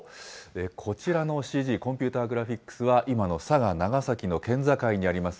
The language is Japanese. こちらのＣＧ・コンピューターグラフィックスは、今の佐賀、長崎の県境にあります